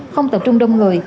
không tập trung đông người